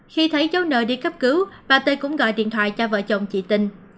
khi thấy cháu nơi đi cấp cứu bà tê cũng gọi điện thoại cho vợ chồng chị tình